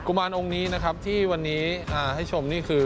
มารองค์นี้นะครับที่วันนี้ให้ชมนี่คือ